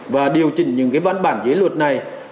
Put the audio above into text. và điều chỉnh những văn bản dưới luật này